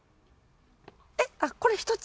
えっあっこれ１つ？